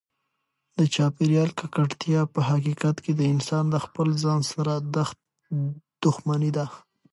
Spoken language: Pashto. د چاپیریال ککړتیا په حقیقت کې د انسان د خپل ځان سره دښمني ده.